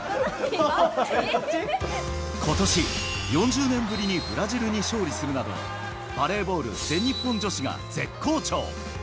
ことし、４０年ぶりにブラジルに勝利するなど、バレーボール全日本女子が絶好調。